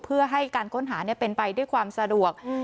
เพื่อให้การค้นหาเป็นไปด้วยความสะดวก